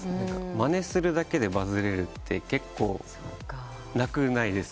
まねするだけでバズれるって結構なくないですか？